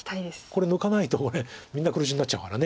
これ抜かないとみんな黒地になっちゃうから。